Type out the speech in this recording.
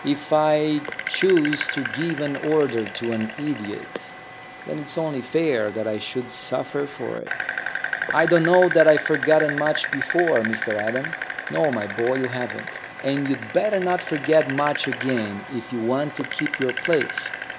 If I choose to give an order to an idiot, then it's only fair that I should suffer for it." "I don't know that I've forgotten much before, Mr Adam." "No, my boy, you haven't. And you'd better not forget much again if you want to keep your place.